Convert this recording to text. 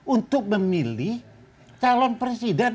untuk memilih calon presiden